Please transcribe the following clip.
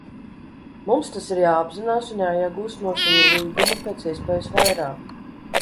Mums tas ir jāapzinās un jāiegūst no šī līguma pēc iespējas vairāk.